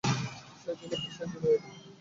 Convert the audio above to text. সে ছিল পেশায় একজন ওয়েইটার!